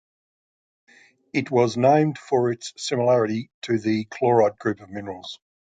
It was named for its similarity to the chlorite group of minerals.